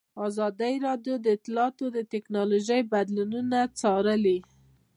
ازادي راډیو د اطلاعاتی تکنالوژي بدلونونه څارلي.